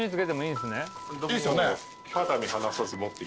いいですよね？